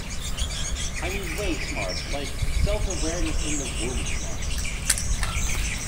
I mean way smart, like, self-awareness-in-the-womb-smart.